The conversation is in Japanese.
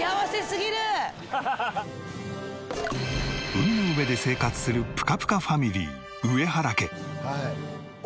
海の上で生活するプカプカファミリー上原家。